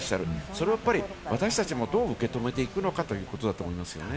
それを私達もどう受け止めていくのかということだと思いますね。